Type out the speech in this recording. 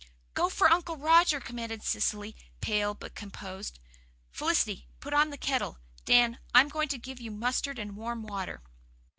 "Go for Uncle Roger," commanded Cecily, pale but composed. "Felicity, put on the kettle. Dan, I'm going to give you mustard and warm water."